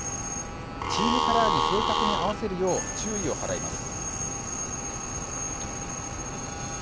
チームカラーに正確に合わせるよう注意を払います。